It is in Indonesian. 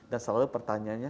dan selalu pertanyaannya